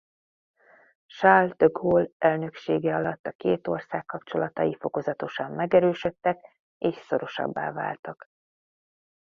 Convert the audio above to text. Charles de Gaulle elnöksége alatt a két ország kapcsolatai fokozatosan megerősödtek és szorosabbá váltak.